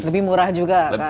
lebih murah juga